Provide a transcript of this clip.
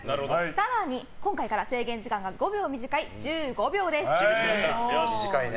更に、今回から制限時間が５秒短い１５秒です。